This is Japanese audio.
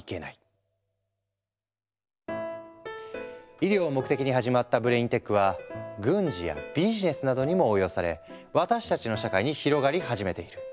医療を目的に始まったブレインテックは軍事やビジネスなどにも応用され私たちの社会に広がり始めている。